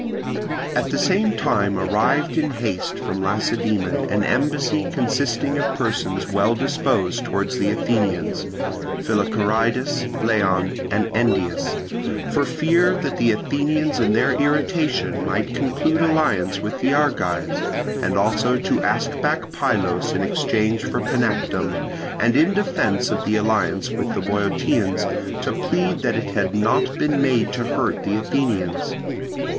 At the same time arrived in haste from Lacedaemon an embassy consisting of persons reputed well disposed towards the Athenians—Philocharidas, Leon, and Endius—for fear that the Athenians in their irritation might conclude alliance with the Argives, and also to ask back Pylos in exchange for Panactum, and in defence of the alliance with the Boeotians to plead that it had not been made to hurt the Athenians.